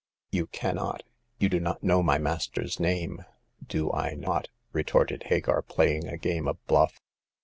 " You cannot ; you do not know my master's name." " Do I not ?" retorted Hagar, playing a game of bluff.